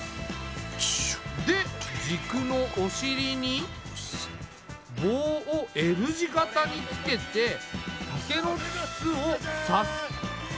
で軸のお尻に棒をＬ字型につけて竹の筒を挿す。